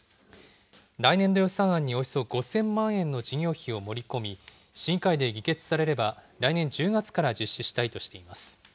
来年度予算案におよそ５０００万円の事業費を盛り込み、市議会で議決されれば、来年１０月から実施したいとしています。